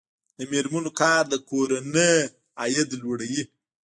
د میرمنو کار د کورنۍ عاید لوړوي.